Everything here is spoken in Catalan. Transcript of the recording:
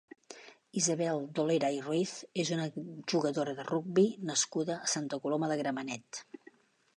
Isabel Dolera i Ruiz és una jugadora de rugbi nascuda a Santa Coloma de Gramenet.